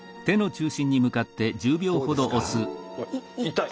痛い。